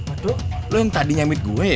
aduh lo yang tadi nyamit gue ya